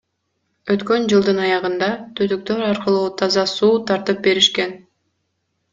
Өткөн жылдын аягында түтүктөр аркылуу таза суу тартып беришкен.